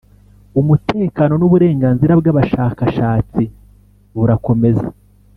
umutekano n uburenganzira bw abashakashatsi bburakomeza